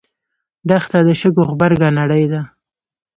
دښته د شګو غبرګه نړۍ ده.